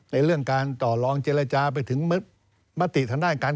เรื่องการต่อลองเจรจาไปถึงมติทางด้านการ